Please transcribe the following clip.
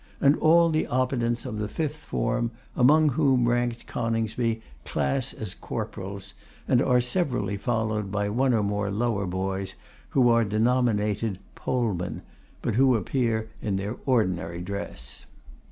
And all the Oppidans of the fifth form, among whom ranked Coningsby, class as 'Corporals;' and are severally followed by one or more lower boys, who are denominated 'Polemen,' but who appear in their ordinary dress.